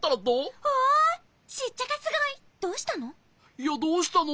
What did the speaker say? いや「どうしたの？」